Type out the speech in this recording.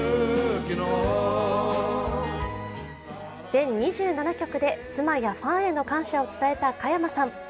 全２７曲で妻やファンに感謝の気持ちを伝えた加山さん。